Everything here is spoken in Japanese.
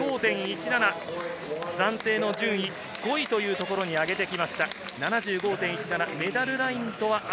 暫定の順位、５位というところに上げてきました。